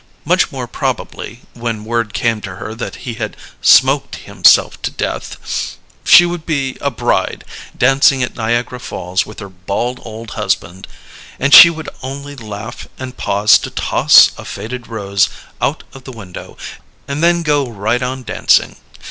Much more probably, when word came to her that he had smoked himself to death, she would be a bride, dancing at Niagara Falls with her bald old husband and she would only laugh and pause to toss a faded rose out of the window, and then go right on dancing.